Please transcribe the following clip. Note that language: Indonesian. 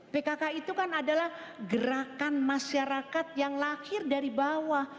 pkk itu kan adalah gerakan masyarakat yang lahir dari bawah